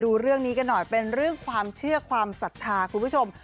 ดูเรื่องนี้กันหน่อยเป็นเรื่องความเชื่อความศรัทธาคุณผู้ชม